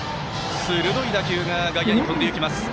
鋭い打球が外野に飛んでいきます。